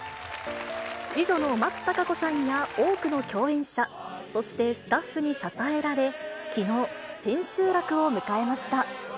次女の松たか子さんや多くの共演者、そして、スタッフに支えられ、きのう、千秋楽を迎えました。